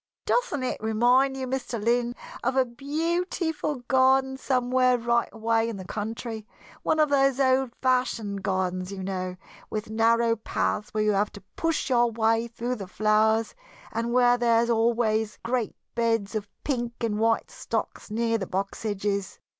"Doesn't it remind you, Mr. Lynn, of a beautiful garden somewhere right away in the country one of those old fashioned gardens, you know, with narrow paths where you have to push your way through the flowers, and where there are always great beds of pink and white stocks near the box edges?